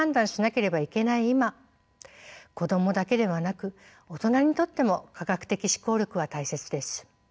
今子供だけではなく大人にとっても科学的思考力は大切です。